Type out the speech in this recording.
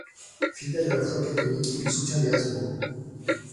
Fidèle à sa foi catholique, il soutient les Habsbourg.